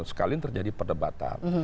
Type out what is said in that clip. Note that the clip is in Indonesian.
sekalian terjadi perdebatan